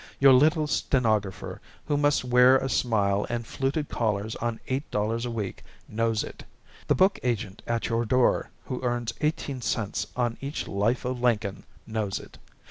Your little stenographer, who must wear a smile and fluted collars on eight dollars a week, knows it; the book agent at your door, who earns eighteen cents on each Life of Lincoln, knows it.